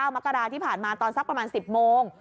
มกราที่ผ่านมาตอนสักประมาณ๑๐โมง